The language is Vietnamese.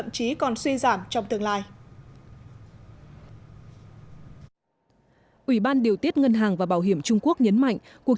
trí còn suy giảm trong tương lai ủy ban điều tiết ngân hàng và bảo hiểm trung quốc nhấn mạnh cuộc